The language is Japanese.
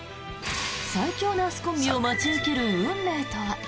最強ナースコンビを待ち受ける運命とは。